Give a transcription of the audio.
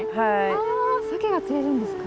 あサケが釣れるんですか？